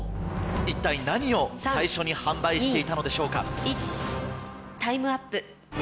一体何を最初に販売していたのでしょうか。